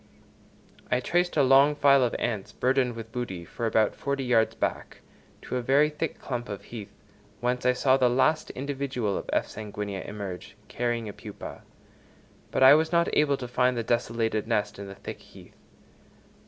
I traced a long file of ants burthened with booty, for about forty yards back, to a very thick clump of heath, whence I saw the last individual of F. sanguinea emerge, carrying a pupa; but I was not able to find the desolated nest in the thick heath.